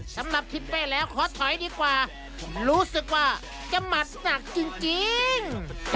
สำหรับทิศเป้แล้วขอถอยดีกว่ารู้สึกว่าจะหมัดหนักจริง